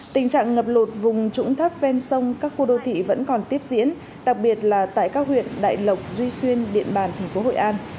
tình trạng ngập lụt vùng trũng thấp ven sông các khu đô thị vẫn còn tiếp diễn đặc biệt là tại các huyện đại lộc duy xuyên điện bàn tp hội an